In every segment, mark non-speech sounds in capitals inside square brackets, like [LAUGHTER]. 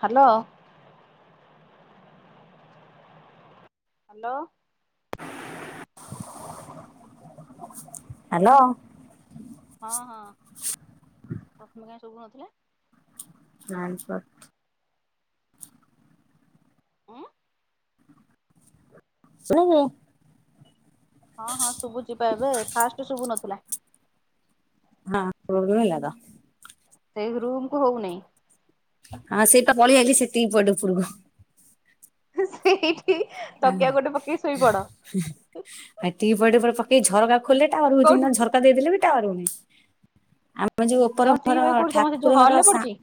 Hello. Hello. [INAUDIBLE] Hello. ହଁ ହଁ ପ୍ରଥମେ କାଇଁ ଶୁବୁ ନଥିଲେ। [UNINTELLIGIBLE] ଉଁ [UNINTELLIGIBLE] ହଁ ହଁ ଶୁବୁଚିପା ଏବେ ଫାଷ୍ଟ ଶୁବୁ ନଥୁଲା। ହଁ [UNINTELLIGIBLE] ହେଲା ତ। ସେଇ ରୁମ୍ କୁ ହୋଉନେଇ। ହଁ ସେଇପା ପଳେଇଆଲି [UNINTELLIGIBLE] ଉପୂରୁକୁ। ସେଇଠି ତକିଆ ଆ ଗୋଟେ ପକେଇ ଶୋଇପଡ। [UNINTELLIGIBLE] ଉପରେ ପକେଇ ଝରକା ଖୋଲେ ଟାୱାର ହୋଉଛି କୋଉଠି ନ ଝରକା ଦେଇଦେଲେ ବି ଟାୱାର ହୋଉନି ଆମର ଯୋଉ ତମ ଓପୋର ଟି ଘର ଭାଇ କୋଉଠି ତମ ସେ ଯୋଉ ଠାକୁର ଘର ହଲରେ ସା ପଡିଚି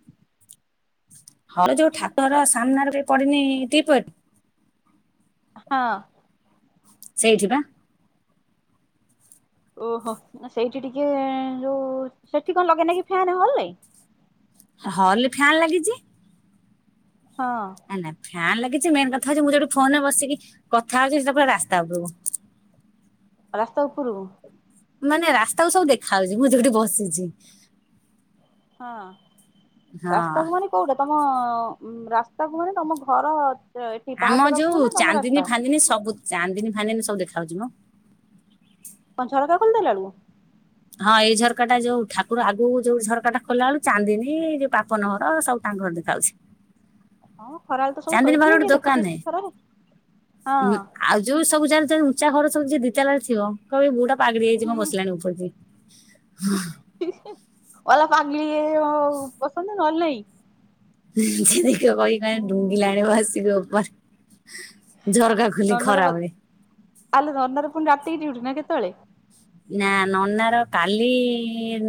ଘର ଯୋଉ ଠାକୁର ଘର ସାମ୍ନାରେ [UNINTELLIGIBLE] ପଡିନି ଟିପଏ ହଁ। ସେଇଠି ପା। ଓହୋ ନା ସେଇଠି ଟିକେ ଯୋଉ ସେଠି କଁ ଲଗେଇନା କି ଫ୍ୟାନ ହଲରେ। ହଲରେ ଫ୍ୟାନ୍ ଲାଗିଚି। ହଁ। ଆନା ଫ୍ୟାନ ଲାଗିଚି ମେନ୍ କଥା ହୋଉଚି ମୁଁ ଯୋଉଠି ଫୋନ ରେ ବସିକି କଥା ହୋଉଚି ସେଟା ପୁରା ରାସ୍ତା ଓପୁରୁକୁ। ରାସ୍ତା ଉପୁରୁକୁ। ମାନେ ରାସ୍ତାକୁୁ ସବୁ ଦେଖାହୋଉଚି ମୁଁ ଯୋଉଠି ବସିଚି। ହଁ ହଁ ରାସ୍ତାକୁ ମାନେ କୋଉଟା ତମ ରାସ୍ତାକୁ ମାନେ ତମ ଘର ଏଠି ପାହାଚ ଆମ ପାଖକୁ ଯୋଉ ନା ତମ ରାସ୍ତା? ଚାନ୍ଦିନୀ ଫାନ୍ଦିନୀ ସବୁ ଚାନ୍ଦିନୀ ଫାନ୍ଦିନୀ ସବୁ ଦେଖା ହୋଉଚି ମ। କଁ ଝରକା ଖୋଲି ଦେଲା ଆଳୁକୁ। ହଁ ଏଇ ଝରକା ଟା ଯୋଉ ଠାକୁର ଆଗୁକୁ ଯୋଉ ଝରକା ଟା ଖୋଲା ଆଳୁ ଚାନ୍ଦିନୀ ଯୋଉ ପାପନ ଘର ସବୁ ତାଙ୍କ ଘର ଦେଖାହୋଉଛି। ହଁ ଖରା ବେଳେ ତ ସବୁ ପାଖରେ ଶୋଇଥିବେ ଗୋଟେ କିଏ ଦୋକାନ ଦେଖୁଛି ନାହିଁ। ଆସିକି ଖରାରେ ହଁ। ଉଁ ଆଉ ଯୋଉ ସବୁ ଯାହାର ଯାହାର ଉଁଞ୍ଚା ଘର ସବୁ ଯିଏ ଦିତାଲାରେ ଥିବ କହିବେ ଏଇ ବୋହୂଟା ପାଗେଳି ଯାଇଛି କଁ ହୁଁ ବସିଲାଣି ଉପରେ ଯାଇଁ। [UNINTELLIGIBLE] ମଲା ପାଗିଳି [UNINTELLIGIBLE] ବସନ୍ତି ନହଲ ନାଇଁ। ଯିଏ ଦେଖିବ [UNINTELLIGIBLE] ହୁଁ ଢୁଙ୍ଗିଲାଣି ମ ଆସିକି ଓପରେ। ଝରକା ଖୋଲି ଖରା ନନାର ବେଳେ। ଆଲୋ ନନାର ପୁଣି ରାତିକି ଡ୍ୟୁଟି ନା କେତୋବୋଳେ। ନା ନନାର କାଲି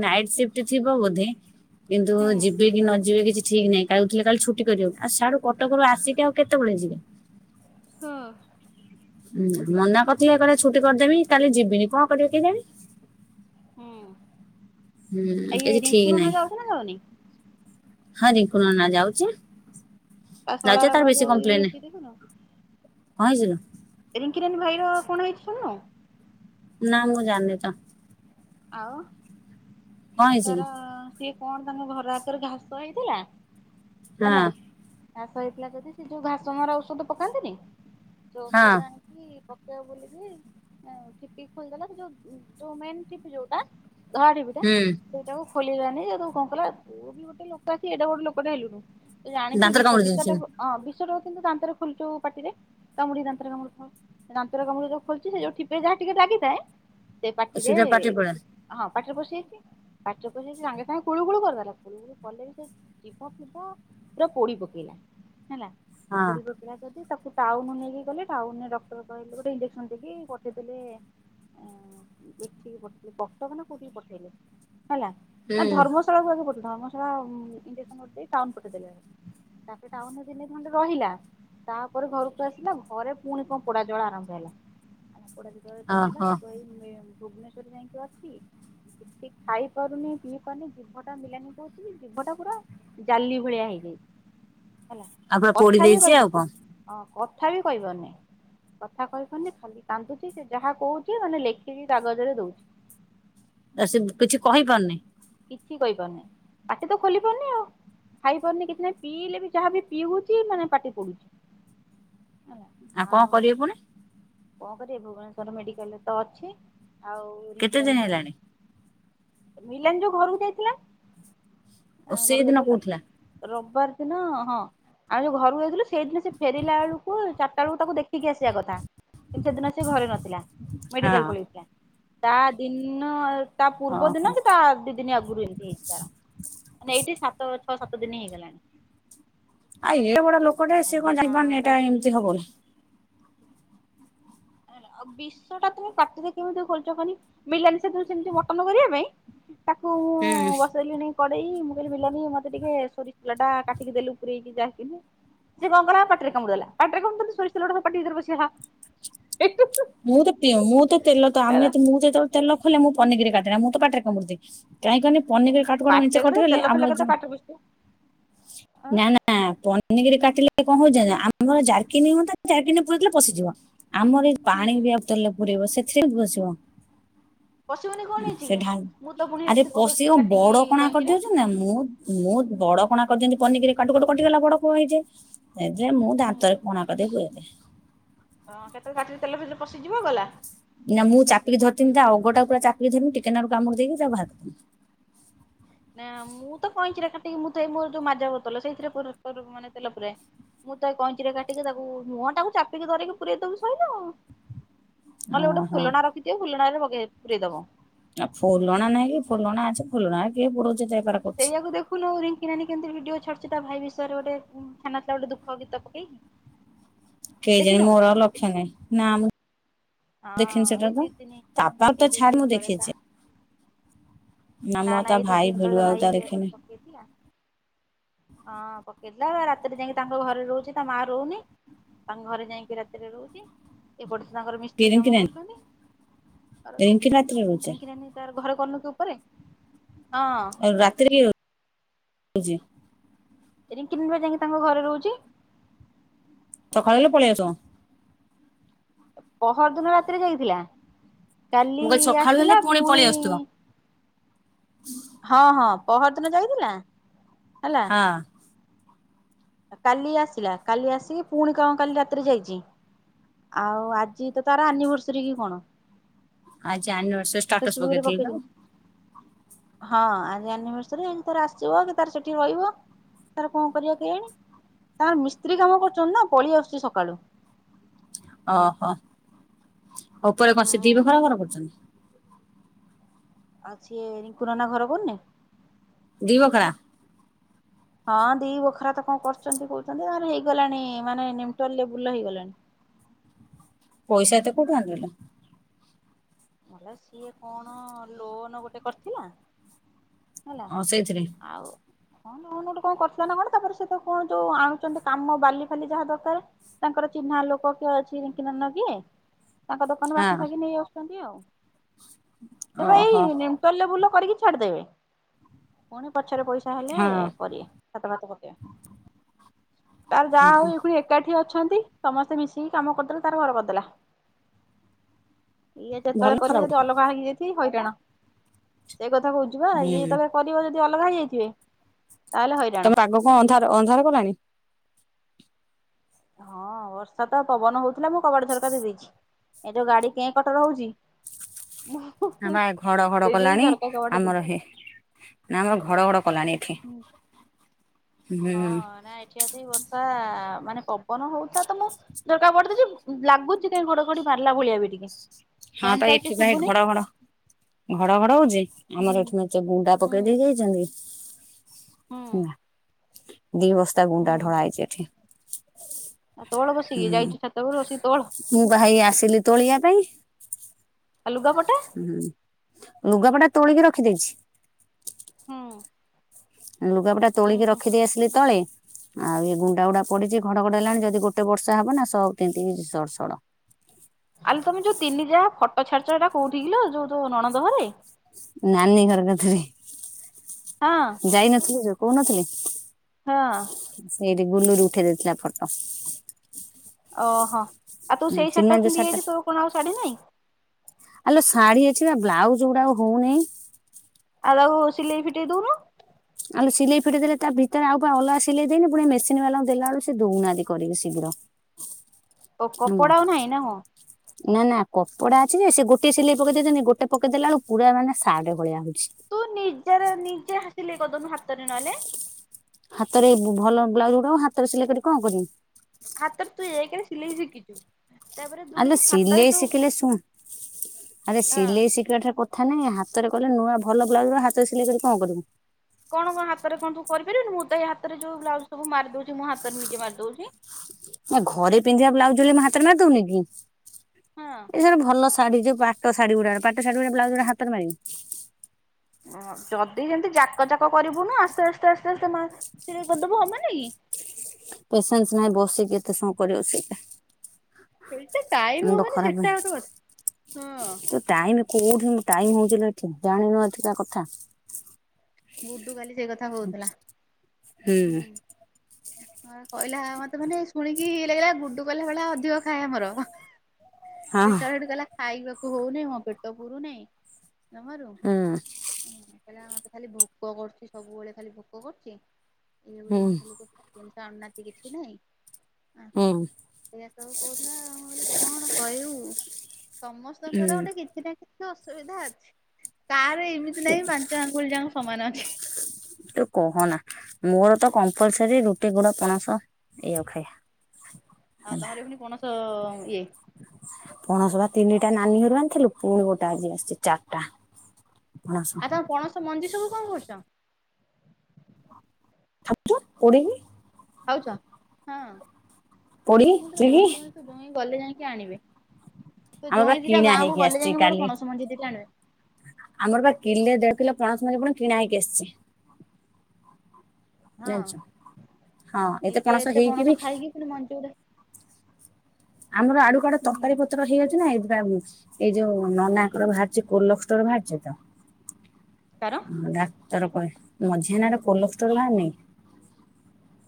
ନାଇଟ୍ ସିଫ୍ଟ ଥିବ ବୋଧେ କିନ୍ତୁ ହୁଁ ଯିବେ କି ନ ଯିବେ କିଛି ଠିକ ନାଇଁ [UNINTELLIGIBLE] କାଲି ଛୁଟି କରିବାକୁ ଆଉ ସ୍ୟାଡୁ କଟକରୁ ଆସିକି ଆଉ କେତୋବୋଳେ ଯିବେ। ହୁଁ। ହୁଁ ମନା କରିଥିଲେ କହିଲେ ଛୁଟି କରିଦେବି କାଲି ଯିବିନି କଁ କରିବେ କେଜାଣି। ହୁଁ ହୁଁ ଆ ଏଇ କିଛି ଠିକ ରିଙ୍କୁ ନନା ନାହିଁ ଯାଉଚି ନା ଯାଉନି। ହଁ ରିଙ୍କୁ ନନା ଯାଉଛି। ତା ଯାଉଚି ଯେ ଶଳାର ବା ତାର ବେଶୀ ଯୋଉ ଇଏ କମ୍ପ୍ଲେନ ନାହିଁ ହେଇଛି ଦେଖୁନୁ? କଁ ହେଇଛି ଲୋ। ରିଙ୍କିରାନୀ ଭାଇ ର କଣ ହେଇଛି ଶୁଣୁ। ନା ମୁଁ ଜାଣିନି ତ। ଆଉ କଣ ହେଇଛି କି? ତାର ସିଏ କଣ ତାଙ୍କ ଘର ଆଗରେ ଘାସ ହେଇଥିଲା ହଁ ହେଲା ଘାସ ହେଇଥିଲା ଯଦି ସେ ଯୋଉ ଘାସ ମରା ଔଷଧ ପକାନ୍ତିନି, ଯୋଉ ହଁ ଔଷଧ ଆଣି କି ପକେଇବ ବୋଲିକି ତା ଠିପି ଖୋଲିଦେଲା ଯୋଉ ଯୋଉ ମେନ୍ ଠିପି ଯୋଉଟା ଧଳା ଠିପି ଟା ହୁଁ ସେଇଟା କୁ ଖୋଲିଲାନି ସେଉଠୁ କଣ କଲା [INAUDIBLE] ବି ଗୋଟେ ଲୋକ ସିଏ ଯୋଉ ଗୋଟେ ଲୋକଟେ ହେଲୁଣି ତ ଜାଣିଚୁ ଦାନ୍ତରେ ବିଷ କାମୁଡି ବିଷ ଦେଇଛି ଟା କୁ ହଁ ବିଷ ଟାକୁ କିନ୍ତୁ ଦାନ୍ତରେ ଖୋଲଚୁ ପାଟିରେ କାମୁଡି ଦାନ୍ତରେ କାମୁଡି [INAUDIBLE] ସେ ଦାନ୍ତର କାମରେ ଯୋଉ ଖୋଲିଚି ସେ ଯୋଉ ଠିପିରେ ଯାହା ଟିକେ ରାାଗିଥାଏ ସେ ପାଟିରେ ସିଧା ପାଟି ପଳା ହଁ ପାଟିରେ ପଶିଯାଇଚି, ପାଟିରେ ପଶିଯାଇଚି ସାଙ୍ଗେ ସାଙ୍ଗେ କୁଳୁକୁଳୁ କରିଦେଲା କିନ୍ତୁ କଲେ ବି ସେ ଜିଭ ଫିବ ପୁରା ପୋଡି ପକେଇଲା ହେଲା, ହଁ ପୋଡି ପକ [INAUDIBLE] ଯଦି ତାକୁ ଟାଉନ୍ ନେଇକି ଗଲେ ଟାଉନ୍ ଡକ୍ଟର୍ କହିକି ଗୋଟେ ଇଞ୍ଜେକ୍ସନ୍ ଦେଇକି ପଠେଇଦେଲେ ଏଠିକି ପଠ କଟକ ନା କୋଉଠି କି ପଠେଇଲେ ହେଲା ନା ଧର୍ମ [INAUDIBLE] ଧର୍ମ ଶଳା [INAUDIBLE] ସେ ଟାଉନ ପଠେଇ ଦେଲେ। ତାପରେ ଟାଉନ୍ ରେ ଦିନେ ଖଣ୍ଡେ ରହିଲା। ତାପରେ ଘରକୁ ଆସିଲା ଘରେ ପୁଣି କଣ ପୋଡା ଜଳା ଆରମ୍ଭ ହେଲା। [INAUDIBLE] ଓହୋ ଭୁବନେଶ୍ଵର ଯାଇକି ଅଛି। କିଖାଇ ପାରୁନି ପିଇ ପାରୁନି ଜିଭଟା ମିଲାନି କହୁଛି ଜିଭଟା ପୁରା ଜାଲି ଭଳିଆ ହେଇଯାଇଛି ହେଲା ଆଉ ପୁରା ପୋଡି କଥା ବି ଦେଇଛି ଆଉ କଣ କହିପାରୁନି। ହଁ କଥା ବି କହିପାରୁନି। କଥା କହିପାରୁନି ଖାଲି କାନ୍ଦୁଚି ସେ ଯାହା କହୁଚି ମାନେ ଲେଖିକି କାଗଜରେ ଦଉଛି। ଆ, ସେ କିଛି କହିପାରୁନି? କିଛି କହିପାରୁନି ପାଟି ତ ଖୋଲି ପାରୁନି ଆଉ। ଖାଇ ପାରୁନି କିଛି ନାହିଁ ପିଇଲେ ବି ଯାହା ବି ପିଉଚି ମାନେ ପାଟି ପଡୁଛି। ଆଉ କଣ କରିବେ ପୁଣି? କଣ କରିବେ ଭୁବନେଶ୍ଵର ମେଡିକାଲ୍ ରେ ତ ଅଛି, ଆଉ କେତେ ଦିନ ରିଙ୍କିରାନୀ ହେଲାଣି ମିଲନ ଯୋଉ ଘରକୁ ଯାଇଥିଲା, ଓ ଆ, ଘରକୁ ସେଇଦିନ ଯାଇଥିଲା କହୁଥିଲା ସେ ରବବାର ଦିନ ହଁ ଆମେ ଯୋଉ ଘରକୁ ଯାଇଥିଲୁ ସେଇଦିନ ସେ ଫେରିଲା ବେଳୁ କୁ ଚାଟା ବେଳକୁ ତାକୁ ଦେଖିକି ଆସିବା କଥା। କିନ୍ତୁ ସେଦିନ ସେ ଘରେ ନଥିଲା ହଁ ମେଡିକାଲ୍ ପଳେଇଥିଲା। ତା ଦିନ ତା ପୂର୍ବ ଓହୋ ଦିନ କି ତା ଦି ଦିନ ଆଗରୁ ଏମିତି ହେଇଚି ତାର ମାନେ ଏଇଠି ସାତ ଛଅ ସାତ ଦିନ ହେଇଗଲାଣି। ଆଉ ହେଲା ଏଡ ବଡ ଲୋକଟେ ଆଉ ସିଏ କଣ ତାର ଜାଣିପାରୁନି ତା ଏଟା ସ୍ତ୍ରୀ ଏମିତି ହବ ବୋଲି। [INAUDIBLE] ଆଉ ବିଷ ଟା ତୋମେ ପାଟିରେ କେମିତି ଖୋଲୁଚ କହନି, ମଲନାନୀ ସେଦିନ ସେମତି ମଟନ୍ କରିବା ପାଇଁ ତାକୁ ହୁଁ। ମୁଁ ବସେଇଲିଣି କଡେଇ ମୁଁ କହିଲି ମିଲନାନୀ ମୋତେ ଟିକେ ସୋରିଷ ତେଲ ଟା କାଟିକି ଦେଲୁ ପୂରେଇକି ଡାକିନି ସେ କଣ କଲା ପାଟିରେ କାମୁଡି ଦେଲା, ପାଟିରେ କଣ [UNINTELLIGIBLE] ସୋରିଷ ତେଲ ଗୁଡା ସବୁ ପାଟି ଭିତରେ ପଶିଗଲା। ମୁଁ ତ ପିଅ ମୁଁ ତ ତେଲ ତ ଆମେ ହେଲା ଯେ ମୁଁ ଯେତେଳ ତେଲ ଖୋଲେ ମୁଁ ପନିକିରେ କାଟେନା ମୁଁ ତ ପାଟିରେ କାମୁଡି ଦିଏ, କାହିଁକନି ପନିକିରେ କା [UNINTELLIGIBLE] ମେଞ୍ଚେ ପାଟିରେ କଣ କଟିଗଲେ ତେଲ ଫେଲ ଆମର କେତେ ଯୋଉ ପାଟିରେ ପଶିଥିବ ଆଁ ନା ନା ନା ପନିକିରେ କାଟିଲେ କଣ ହଉଚି ନା ଆମର ଜାରକିନୀ ହୁଅନ୍ତା, ଜାରକିନୀ ରେ ପୁରେଇ ଦେଲେ ପଶିଯିବ। ଆମର ଏ ହୁଁ ପାଣି ପିଇବା ବୁତଲରେ ପୂରେଇବ ସେଥିରେ କେମିତି ପଶିବ? ପଶିବନି କଣ ହେଇଛି ସେ କି? ଢା ମୁଁ ତ ପୁଣି ଆରେ ଏମିତି ପଶିବ ପଶଉଚି କାଟିକି ବଡ କଣା କଇଁଚିରେ। କରିଦଉଛନ୍ତି ନା ମୁଁ ମୁଁ ବଡ କଣା କରିଦିଅନ୍ତି ପନିିକିରେ କାଟୁ କଟୁ କଟିଗଲା ବଡ କୁ ହେଇଯାଏ। ଏ ଯେ ମୁଁ ଦାନ୍ତରେ କଣା କରଦେଇ ପୂରେଇଦିଏ। ହଁ କେତେବେଳେ ପାଟିରେ ତେଲ ଫେଲ ପଶିଯିବ ଗଲା। ନା ମୁଁ ଚାପିକି ଧରିଥିନି ତା ଅଗଟା ପୂରା ଚାପିକି ଧରିମିି ଟିକେ ନାକୁରୁ କାମୁଡି ଦେଇକି ତାକୁ ବାହାର କରଦେମି। ନା ମୁଁ ତ କଇଁଚିରେ କାଟିକି ମୁଁ ତ ଏଇ ମୋର ଯୋଉ ମାଜା ବୋତଲ ସେଇଥିରେ ପୂର ପୂରୁ ମାନେ ତେଲ ପୂରାଏ। ମୁଁ ତ ଏଇ କଇଁଚିରେ କାଟିକି ତାକୁ ମୁଁହ ଟାକୁ ଚାପିକି ଧରିକି ପୁରଇ ଦୋବୁ ସଇଲା ଆଉ। ନହେଲେ ଗୋଟେ ଓହୋ। ଫୁଲଣା ରଖିଦିଅ ଫୁଲଣାରେ ପକେ ପୁରଇ ଦବ। ଆ ଫୁଲଣା ନାଇଁ କି ଫୁଲଣା ଅଛି ଫୁଲଣା କିଏ ପୁରୋଉଚି ଏତେ ବେପାର କରୁଛି। ସେଇଆକୁ ଦେଖୁନୁ ରିଙ୍କି ନାନୀ କେମିତି ଭିଡିଓ ଛାଡୁଚି ତା ଭାଇ ବିଷୟରେ ଗୋଟେ ଛାଡି ନଥିଲା ଗୋଟେ ଦୁଃଖ ଗୀତ ପକେଇକି। କେଜାଣି ଦେଖିନୁ ମୋର ଆଉ ଲକ୍ଷ ନାହିଁ। ନା ମୁଁ ଦେଖିନି ହଁ ସେଟା ଏଇ ତ। ଦି ଦିନି ତା ବାପା ତ ଏଇ ଦି ଛାଡ ମୁଁ ଦିନି ତଳେ ଦେଖିଛି ପା। ନା ମୁଁ ଆଉ ତା ଭାଇ ଭିଡିଓ ଆଉ ତା ଦେଖିନି। ଦେଖିଲା। ହଁ ପକେଇଥିଲା ରାତିରେ ଯାଇଁକି ତାଙ୍କ ଘରେ ରହୁଚି। ତା ମା ରହୁନି। ତାଙ୍କ ଘରେ ଯାଇକି ରାତିରେ ରହୁଚି ଏପଟେ ତାଙ୍କର ମି କିଏ ରିଙ୍କି ତାର ନାନି ରିଙ୍କି ରାତିରେ ରହୁଚି। ରିଙ୍କି ନାନୀ ତାର ଘରେ କରୁନି କୁ ଉପରେ ହଁ। ଆଉ ରାତିରେ କିଏ ରହୁଚି? ରିଙ୍କି ନାନି ପା ଯାଇକି ତାଙ୍କ ଘରେ ରହୁଚି। ସକାଳେ ହେଲେ ପଳେଇ ଆସିବ। ପହର ଦିନ ରାତିରେ ଯାଇଥିଲା କାଲି ମୁଁ କହିଲି ସକାଳୁ ହେଲେ ଆସିଲା ପଳେଇ ପୁଣି ଆସୁଥିବ ହଁ ହଁ ପହର ଦିନ ଯାଇଥିଲା। ହଁ। ଆ କାଲି ଆସିଲା କାଲି ଆସିକି ଫୁଣି କଣ କାଲି ରାତିରେ ଯାଇଚି। ଆଉ ଆଜି ତ ତାର ଆନିଭର୍ସରୀ କି କଣ। ଆଜି ଆନିଭର୍ସରୀ ଷ୍ଟାଟସ୍ ଫେସବୁକ୍ ରେ ପକେଇ ଥିଲା ତ ଆଉ। ପକେଇଛନ୍ତି। ହଁ ଆଜି ଆନିଭର୍ସରୀ ତାର ଆସିବ କି ତାର ସେଠି ରହିବ। ତାର କଣ କରିବ କେୟାଣି। ତାଙ୍କର ମିସ୍ତ୍ରୀ କାମ କରୁଚନ୍ତି ନା ପଳେଇ ଆସୁଚି ସକାଳୁ। ଓହୋ ଉପରେ କଣ ସେ ଦି ହୁଁ ବଖରା ଘର କରୁଚନ୍ତି। ଆଉ ସିଏ ରିଙ୍କୁ ନନା ଘର କରୁନି। ଦି ବଖରା। ହଁ ଦି ବଖରା ତ କଣ କରୁଚନ୍ତି କୋହୁଚନ୍ତି ତାଙ୍କର ହେଇଗଲାଣି ମାନେ ନିମଟାଲ୍ ଲେବୁଲ୍ ହେଇଗଲାଣି। ପଇଷା ଏତେ କୋଉଠୁ ଆଣିଲେ ଲୋ। ମଲା ସିଏ କଣ ଲୋନ୍ ଗୋଟେ କରିଥିଲା। ହେଲା ଓ ସେଇଥିରେ ଆଉ ହଁ ଲୋନ୍ କଣ କରିଥିଲାନା କଣ ତାପରେ ସେ ତ କଣ ଯୋଉ ଆଣୁଚନ୍ତି କାମ ବାଲି ଫାଲି ଯାହା ଦରକାର। ତାଙ୍କର ଚିହ୍ନା ଲୋକ କିଏ ଅଛି ରିଙ୍କି ନାନାର କିଏ ତାଙ୍କ ଦୋକାନରୁ ହଁ ବାକି ଫାକି ନେଇ ଆସୁଚନ୍ତି ଆଉ ସେ ପା ଏଇ ଓହୋ ନି ମଟାଲ୍ ଲେବୁଲ୍ କରିକି ଛାଡିଦେବେ ପୁଣି ପଛରେ ପଇଷା ହେଲେ ହଁ କରିବେ। ଛାତ ଫାତ ପକେଇବେ ତାର ଯାହା ହୋଉ ଏ [UNINTELLIGIBLE] ଏକାଠି ଅଛନ୍ତି ସମସ୍ତେ ମିଶିକି କାମ କରିଦେଲେ ତାର ଘର କରିଦେଲା। ଇଏ ଭଲ ଯେତେବେଳେ କରିବେ ଖରାପ ଯଦି ଅଲଗା ହେଇଯାଇ ଥିବେ ହଇରାଣ। ସେଇ କଥା କୋହୁଚିପା ଇଏ ହୁଁ। ଯେତେବେଳେ କରିବ ଯଦି ଅଲଗା ହେଇଯାଇଥିବେ। ତାହେଲେ ହଇରାଣ। ତମେ ତ ଆଗ କଣ ଅନ୍ଧାର ଅନ୍ଧାର କଲାଣି। ହଁ ବର୍ଷା ତ ପବନ ହୋଉଥିଲା। ମୁଁ କବାଟ ଝରକା ଦେଇଦେଇଚି। ଏ ଯୋଉ ଗାଡି କେଁ କଟର ହୋଉଚି। ମୁଁ ନାଁ ବା ଘଡ ଘଡ ସେଇଥିପାଇଁ କଲାଣି ଝରକା କବାଟ ଦେଇଛି। ଆମର ହେ ନା ଆମର ଘଡ ଘଡ କଲାଣି ଏଠି। ଓ ହଁ ହୁଁ ନା ଏଠି ଆସିକି ବର୍ଷା ମାନେ ପବନ ହୋଉଥିଲା ତ ମୁଁ ଝରକା କବାଟ ଦେଇଚି ଲାଗୁଚି ସେ ଘଡଘଡି ମାରିଲା ଭଳିଆ ବି ଟିକେ। ହଁ ଫ୍ୟାନ ପା ଚାଲିଛି ଏଠି ପା ଏଇ ଶୁଭୁନି। ଘଡ ଘଡ ଘଡ ଘଡ ହୋଉଚି ହୁଁ ଆମର ଏଠି ମେଞ୍ଚେ ବୁନ୍ଦା ହୁଁ ପକେଇ ଦେଇଯାଇଚି। ହୁଁ ଜାଣିନି [UNINTELLIGIBLE] ଦି ବସ୍ତା ଗୁଣ୍ଡା ଢଳା ହୁଁ। ହେଇଚି ଏଠି। ତୋଳ ହୁଁ ବସିକି ଯାଇଛୁ ଛାତ ଉପରକୁ ବସିକି ତୋଳ। ମୁଁ ଭାଇ ଆସିଲି ତୋଳିବା ପାଇଁ। ଆଉ ଲୁଗା ପଟା? ହୁଁ ଲୁଗାପଟା ତୋଳିକି ରଖି ଦେଇଛି। ହୁଁ। ଲୁଗାପଟା ହୁଁ ତୋଳିକି ହୁଁ। ରଖିଦେଇ ଆସିଲି ତଳେ ଆଉ ଇଏ ଗୁଣ୍ଡା ଗୁଡା ପଡିଛି ଘଡଘଡ ହେଲାଣି ଯଦି ଗୋଟେ ବର୍ଷା ହବ ନା ସବୁ ତିନ୍ତିକି ଷଡଷଡ। ଆଲୋ ତମେ ଯୋଉ ତିନି ଯା ଫଟୋ ଛାଡିଛ କଉଠି କିଲ ଯୋଉ ଯୋଉ ନଣନ୍ଦ ଘରେ? ନାନୀ ଘର କଥିରେ। ହଁ। ଯାଇ ନଥିଲି ଯଉ କହୁନଥିଲି। ହଁ। ସେଇଠି ଗୁଲୁରୀ ଉଠେଇ ଦେଇଥିଲା ଫଟୋ। ଓହୋ ଆଉ ତୁ ସେଇ ଚିହ୍ନା ଶାଢୀ ଯୋଉ ପିନ୍ଧି ଟା ଯାଇଥିଲୁ କଣ ଆଉ ଶାଢୀ ନାଇଁ? ଆଲୋ ଶାଢୀ ଅଛି ବା ବ୍ଲାଉଜ ଗୁଡା ହଉନେଇ। ଆଉ ତାକୁ ସିଲେଇ ଫିଟେଇ ଦଉନୁ। ଆଉୁ ସିଲେଇ ଫିଟେଇ ଦେଲେ ତା ଭିତରେ ଆଉ ବା ଅଲଗା ସିଲେଇ ଦେଇନି ପୁଣି ମେସିନ୍ ବାଲାଙ୍କୁ ଦେଲାବେଳକୁ ସେ ଦଉନାହାନ୍ତି କରିବି ଶୀଘ୍ର। ଓ ହେଲା। କପଡ଼ା ଆଉ ନାହିଁ କଣ? ନା ନା କପଡଡା ଅଛି ଯେ ସେ ଗୋଟେ ସିଲେଇ ପକେଇ ଦେଇଛନ୍ତି ଗୋଟେ ପକେଇ ଦେଲା ବେଳକୁ ପୁରା ମାନେ ସାର୍ଟ ଭଳିଆ ହଉଛି। ତୁ ନିଜର ନିଜେ [UNINTELLIGIBLE] ସିଲେଇ କରି ଦଉନୁ ହାତରେ ନହେଲେ ହାତରେ ଭଲ ବ୍ଲାଉଜ୍ ଗୁଡାକ ହାତରେ ସିଲେଇ କରି କି କଣ କରିବି? ହାତରେ ତୁ ଏକରେ ସିଲେଇ ଶିଖିଛୁ ତାପରେ ଆଲୋ ଦୁଇରେ ହାତରେ ସିଲେଇ ତୁ ଶିଖିଲେ ଶୁଣ ଆରେ ହଁ। ସିଲେଇ ଶିଖିବାଠା ପ କଥା ନାଇଁ ହାତରେ କଲେ ନୂଆ ଭଲ ବ୍ଲାଉଜ୍ ରା ହାତରେ ସିଲେଇ କରିକି କଣ କରିବୁ? କଣ କଣ ହାତରେ କଣ ତୁ କରିପାରିବୁନି ମୁଁ ତ ଏଇ ହାତରେ ଯୋଉ ବ୍ଲାଉଜ୍ ସବୁ ମାରିଦଉଛି ମୁ ହାତରେ ନିଜେ ମାରି ଦଉଛି। ନା ଘରେ ପିନ୍ଧିବା ବ୍ଲାଉଜ୍ ଯଦି ମୁଁ ହାତରେ ମାରି ଦଉନି କି? ହଁ ଏ ଜଉଟା ଭଲ ଶାଢୀ ଯୋଉ ପାଟ ଶାଢୀ ଗୁଡା ପାଟ ଶାଢୀ ଗୁଡା ବ୍ଲାଉଜ୍ ଗୁଡା ହାତରେ ମାରିବି। ଓ ଯଦି ଯେମିତି ଜାକ ଜାକ କରିବୁନୁ ଆସ୍ତେ ଆସ୍ତେ ଆସ୍ତେ ଆସ୍ତେ ମା ସିଲେଇ କରିଦବୁ ହବନିକି? ପେସେନ୍ସ୍ ନାହିଁ ବସିକି ଏତେ ସମୟ କରିବ ବସିକି? ସେଟ ଟାଇମ୍ ହବନି ସେଟା ଗୋଟ କଥା। ହଁ ତ ଟାଇମ କୋଉଠି ମୁଁ ଟାଇମ ହଉଛି ଏଠି ଜାଣିନୁ ଏଠିକା କଥା। ଗୁଡୁ ଖାଲି ସେଇ କଥା ହଁ କହୁଥିଲା। ହୁଁ। କହିଲା ମତେ ମାନେ ଶୁଣିକି ଲାଗିଲା ଗୁଡୁ କଲା ଭଳିଆ ଅଧିକ ଖାଇବା ମୋର ହଁ ଦେଖ ଗଲା ଖାଇବାକୁ ହଉନି ମୋ ପେଟ ପୁରୁନି ଜମାରୁ ହୁଁ କହିଲା ମତେ ଖାଲି ଭୋକ କରୁଛି ସବୁବେଳେ ଖାଲି ଭୋକ କରୁଛି ଏରା ଗୋଟେ ହୁଁ [UNINTELLIGIBLE] ଲୋକ [UNINTELLIGIBLE] ଆଣୁ ନାହାନ୍ତି କିଛି ନାହିଁ ଆ ହୁଁ। ଏଇଆ ସବୁ କହୁଥିଲା ମୁଁ କହିଲି କଣ କହିବୁ? ସମସ୍ତଙ୍କର ଗୋଟେ ହୁଁ କିଛି ନା କିଛି ଅସୁବିଧା ଅଛି କାର ଏମିତି ନାହିଁ ପାଞ୍ଚ ଆଙ୍ଗୁଳି ଯା ସମାନ ଅଛି। ତୁ କହନା ମୋର ତ କମ୍ପଲସରୀ ଗୁ ଗୋଟି ଗୁଡ଼ ପଣସ ଏୟାକୁ ଖାଇବା। ଆଉ ତମର ଏ [UNINTELLIGIBLE] ପଣସ ଇଏ ପଣସ ତିନିଟା ନାନୀ ଘରୁ ଆଣିଥିଲୁ ପୁଣି ଗୋଟେ ଆଜି ଆସିଛି ଚାରିଟା। ପଣସ। ଆଉ ତମ ପଣସ ମଞ୍ଜି ସବୁ କଣ କରୁଛ? ଖାଉଛୁ ପୋଡିକି। ଖାଉଛ ହଁ ପୋଡି ମୁଁ ତାଲେ ଚୁରିକି ପଣସମଞ୍ଜି ତ ଜ୍ଵିଇ ଗଲେ ଯାଇକି ଆଣିବେ। ତ ଆମର ବା ଜ୍ଵଇଁ ଦିଟ କିଣା ଗାଁକୁ ହେଇକି ଗଲେ ଆସିଛି ଯାଇକି ମୋର କାଲି ପଣସ ମଞ୍ଜି ଦିଟା ଆଣିବେ। ଆମର ବା କିଲେ ଦେଢ଼ କିଲୋ ପଣସ ମଞ୍ଜି ପୁରା କିଣା ହେଇକି ଆସିଛି। ହଁ ଜାଣିଛ। ହଁ ଏତ ଏତେ ହେଇକି ବି ପଣସ ଖାଇକି ପୁଣି ମଞ୍ଚ ଗୋଡେ ଆମର ଆଡୁ କ ଆଡ ହୁଁ ତରାରୀ ପତର ହେଇଯାଉଛି ନା ଏଇଥି। ଏଇ ଯୋଉ ନନାକର ବାହାରିଛି କୋଲୋର ବାହାରିଛି ତ। କାର। ଡାକ୍ତର କହେ ମଝିହ୍ନରେ କୋଲ ଷ୍ଟୋଲ ହେଲାନି।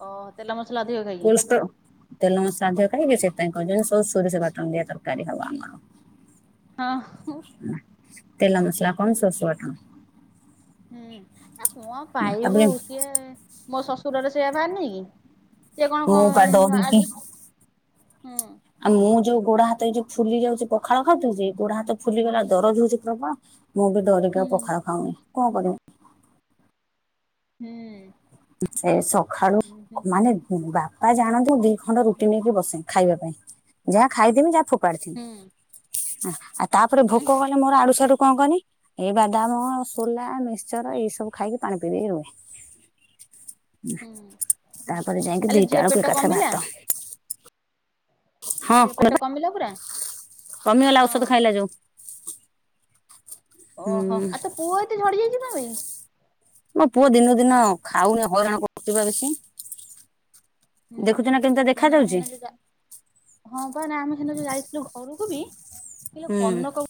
ଓହ ତେଲ ମସଲା ଅଧିକ ଖାଇକି। କୋଲଷ୍ଟୋର ତେଲ ସାାଧ୍ୟ କାହିଁକି ସେଥିାଇଁ କହୁଛନ୍ତିି ସବୁ ସୋରିଷ ବାଟଣ ଦିଆ ତରକାରୀ ହବ ଆମର। ହଁ ତେଲ ମସଲା କଣ ସୋଷଟଣ। ହୁଁ, ଏ କଣ ପାଇବୁ ତାପରେ ସିଏ, ମୋ ଶ୍ୱଶୁରର ସେଇଆ ବାହାରିନି କି? ସେ କଣ ମୁଁ ପା କଣ ଆ, ଡରିକି ହୁଁ। ଆଉ ମୁଁ ଯୋଉ ଗୋଡ ହାତ ଏଇ ଯୋଉ ଫୁଲି ଯାଉଛି ପଖାଳ ଖାଉଥିଲି ଯେ, ଗୋଡ ହାତ ଫୁଲିଗଲା, ଦରଜ ହଉଛି ପ୍ରବଳ। ମୁଁ ଏବେ ଡରିକି ହୁଁ ଆଉ ପଖାଳ ଖାଉନି, କଣ କରିମି? ହୁଁ। [UNINTELLIGIBLE] ସଖାଳୁ, ହୁଁ ହୁଁ। ନାଇଁ ନାଇଁ ବା ତା ଜାଣନ୍ତୁ ଦି ଖଣ୍ଡ ରୁଟି ନେଇକି ବସେ, ଖାଇବା ପାଇଁ, ଯାହା ଖାଇଦେମି, ଯାହା ଫୋପାଡିଦେମି। ହ ଆ ତାପରେ ଉଁ ଭୋକ କଲା ମୋର ଆଡୁ ସାଡୁ କଣ କନି, ଏ ବାଦାମ, ସୋଲା, ମିକ୍ସଚର, ଏଇ ସବୁ ଖାଇକି ପାଣି ପିଇ ଦେଇକି ରୁହେ। ହୁଁ ତାପରେ ଯାଇକି ଆଲୋ ଦିଟା ଝିଅ ବେଳକୁ ପେଟ ଏକାଥରେ କମିଲା ଭାତ ହଁ ଝିଅ ପେଟ କହିବା କମିଲା ପୁରା? କମିଗଲା ଔଷଧ ହଁ। ଖାଇଲା ଯୋଉ। ହୁଁ ଓହୋ, ଆଉ ତୋ ପୁଅ ଏତେ ଝଡି ଯାଇଚି କଣ ପାଇଁ? ମୋ ପୁଅ ଦିନକୁ ଦିନ ଖାଉନି, ହଇରାଣ କରୁଚି ପା ବେଶୀ। ହୁଁ ଦେଖୁଚୁ ନା କେମିତା ଦେଖା ନା ଆମେ ଯାଉଚି? ହେଦିନ ଯୋଉ ଯା ହଁ ପା, ନା ଆମେ ସେନ ଯଉ ଯାଇଥିଲୁ ଘରକୁ ବି, କିଲୋ ହୁଁ କନକ ବୋ